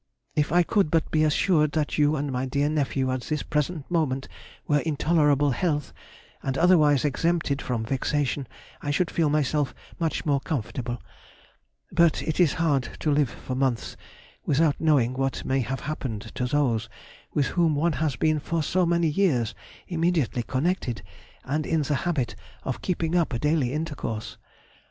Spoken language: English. If I could but be assured that you and my dear nephew at this present moment were in tolerable health and otherwise exempted from vexation, I should feel myself much more comfortable, but it is hard to live for months without knowing what may have happened to those with whom one has been for so many years immediately connected and in the habit of keeping up a daily intercourse.